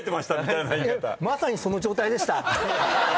まさにその状態でした。